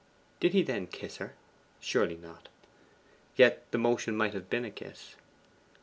Did he then kiss her? Surely not. Yet the motion might have been a kiss.